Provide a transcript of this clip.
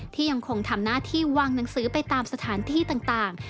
ยังคงทำหน้าที่วางหนังสือไปตามสถานที่ต่าง